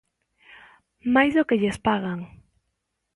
Máis do que lles pagan.